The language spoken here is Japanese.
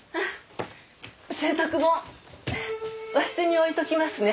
洗濯物和室に置いときますね。